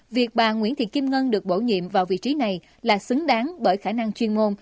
việc bà nguyễn thị kim ngân được bổ nhiệm vào vị trí này là xứng đáng bởi khả năng chuyên môn